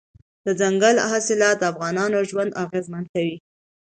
دځنګل حاصلات د افغانانو ژوند اغېزمن کوي.